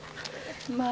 まあ